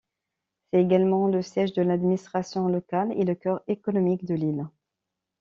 C'est également le siège de l'administration locale, et le cœur économique de l'île.